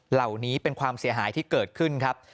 เหล่านี้เป็นความเสียหายที่เกิดขึ้นครับ